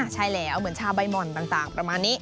ใช่แล้วเหมือนชาใบหม่อนต่างประมาณนี้